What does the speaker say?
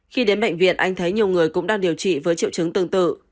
khi đến bệnh viện anh thấy nhiều người cũng đang điều trị với triệu chứng tương tự